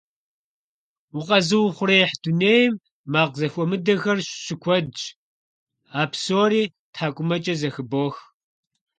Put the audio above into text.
Укъэзыухъуреихь дунейм макъ зэхуэмыдэхэр щыкуэдщ. А псори тхьэкӀумэкӀэ зэхыбох.